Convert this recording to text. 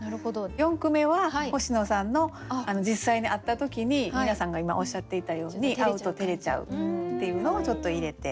四句目は星野さんの実際に会った時に皆さんが今おっしゃっていたように「会うと照れちゃう」っていうのをちょっと入れて。